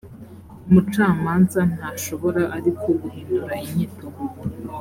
umucamanza ntashobora ariko guhindura inyito